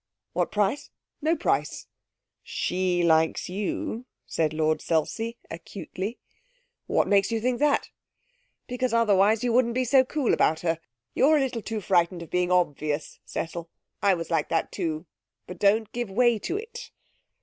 'What price? No price.' 'She likes you,' said Lord Selsey acutely. 'What makes you think that?' 'Because otherwise you wouldn't be so cool about her. You're a little too frightened of being obvious, Cecil. I was like that, too. But don't give way to it.